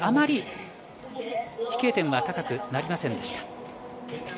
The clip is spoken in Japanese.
あまり飛型点は高くなりませんでした。